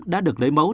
đã được lấy mẫu